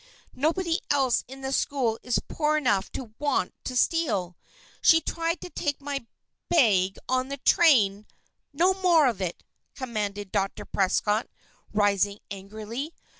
Nobody else in the school is poor enough to want to steal. She tried to take my bag on the train " "No more of it!" commanded Dr. Prescott, rising angrily.